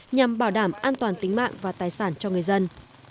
nhằm bảo đảm an toàn tính mạng và tài sản cho người dân